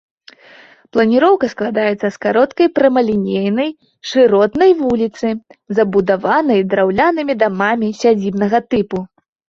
Планіроўка складаецца з кароткай прамалінейнай, шыротнай вуліцы, забудаванай драўлянымі дамамі сядзібнага тыпу.